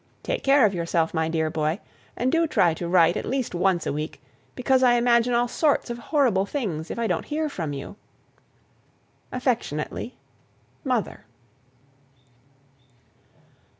Take care of yourself, my dear boy, and do try to write at least once a week, because I imagine all sorts of horrible things if I don't hear from you. Affectionately, MOTHER."